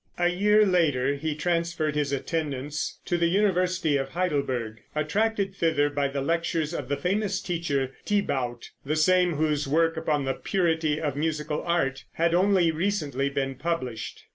A year later he transferred his attendance to the University of Heidelberg, attracted thither by the lectures of the famous teacher Thibaut, the same whose work upon the "Purity of Musical Art," had only recently been published.